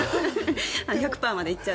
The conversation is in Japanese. １００％まで行っちゃう。